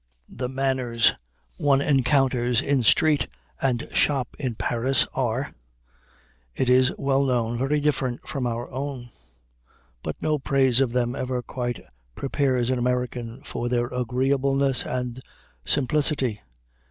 The manners one encounters in street and shop in Paris are, it is well known, very different from our own. But no praise of them ever quite prepares an American for their agreeableness and simplicity.